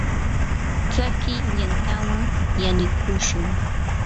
tsakiy yantawan yanukushun.